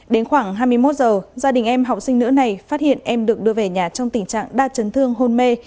đến khoảng hai mươi một giờ gia đình em học sinh nữ này phát hiện em được đưa về nhà trong tình trạng đa chấn thương hôn mê